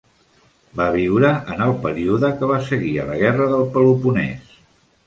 Va viure en el període que va seguir a la Guerra del Peloponès.